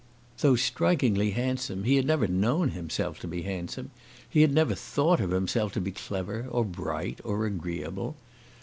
Though strikingly handsome, he had never known himself to be handsome. He had never thought himself to be clever, or bright, or agreeable.